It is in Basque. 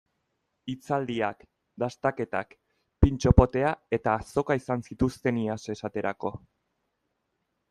Hitzaldiak, dastaketak, pintxo potea eta azoka izan zituzten iaz, esaterako.